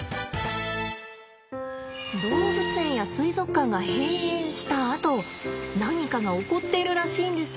動物園や水族館が閉園したあと何かが起こっているらしいんです。